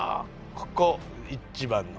ここ一番の。